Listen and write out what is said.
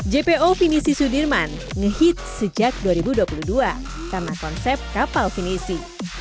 jpo vinisi sudirman nge hit sejak dua ribu dua puluh dua karena konsep kapal vinisi